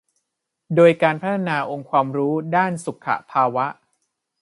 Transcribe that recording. โดยการพัฒนาองค์ความรู้ด้านสุขภาวะ